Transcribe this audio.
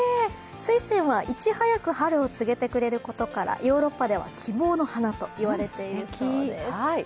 スイセンはいち早く春を告げてくれることからヨーロッパでは希望の花といわれているそうです。